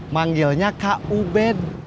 manggilnya kak ubed